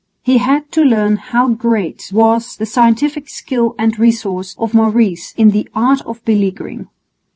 He had to learn how great was the scientific skill and resource of Maurice in the art of beleaguering.